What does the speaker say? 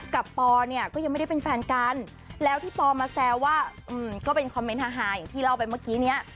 ปอเนี่ยก็ยังไม่ได้เป็นแฟนกันแล้วที่ปอมาแซวว่าก็เป็นคอมเมนต์ฮาอย่างที่เล่าไปเมื่อกี้เนี่ย